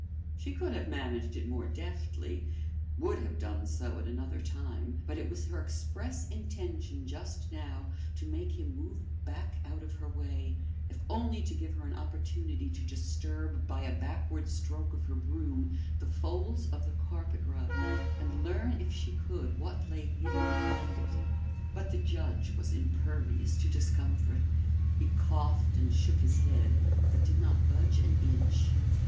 She could have managed it more deftly, would have done so at another time, but it was her express intention just now to make him move back out of her way, if only to give her an opportunity to disturb by a backward stroke of her broom the folds of the carpet rug and learn if she could what lay hidden behind it. But the judge was impervious to discomfort. He coughed and shook his head, but did not budge an inch.